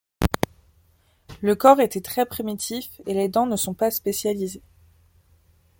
Le corps était très primitif et les dents ne sont pas spécialisées.